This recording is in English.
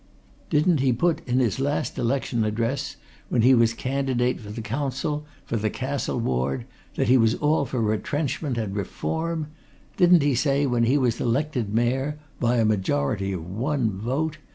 Didn't he put in his last election address, when he was a candidate for the Council, for the Castle Ward, that he was all for retrenchment and reform? Didn't he say, when he was elected Mayor by a majority of one vote!